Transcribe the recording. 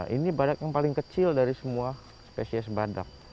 ini badak yang paling kecil dari semua spesies badak